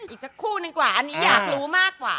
อีกสักคู่หนึ่งกว่าอันนี้อยากรู้มากกว่า